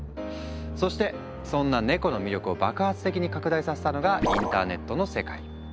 そしてそんなネコの魅力を爆発的に拡大させたのがインターネットの世界。